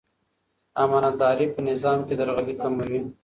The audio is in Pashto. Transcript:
امانتداري په نظام کې درغلي کموي.